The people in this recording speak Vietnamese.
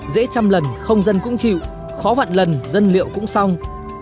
dễ trăm lần không dân cũng chịu khó vạn lần dân liệu cũng xong